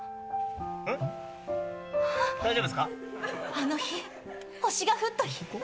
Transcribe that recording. あの日星が降った日。